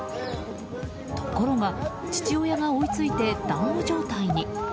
ところが、父親が追い付いて団子状態に。